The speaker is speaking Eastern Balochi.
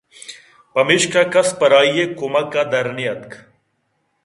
پمیشا کس پرآئی ءِ کُمکّ ءَ درنیتک